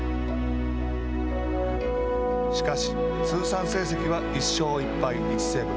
しかし、通算成績は１勝１敗１セーブ。